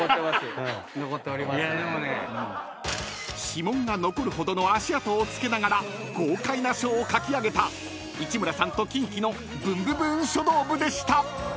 ［指紋が残るほどの足跡を付けながら豪快な書を書き上げた市村さんとキンキのブンブブーン書道部でした］